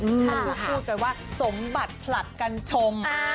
คุณผู้ชมก็ว่าสมบัติผลัดกันชม